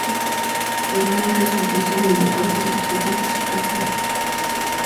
En Valais resultó segundo, por lo que repitió el tercer puesto final.